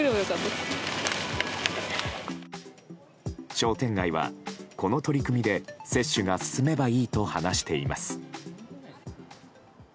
商店街は、この取り組みで接種が進めばいいと話しています。